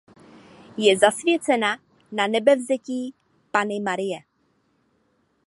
Je zasvěcena Nanebevzetí Panny Marie.